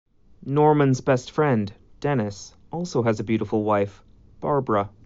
Norman's best friend, Dennis, also has a beautiful wife, Barbara.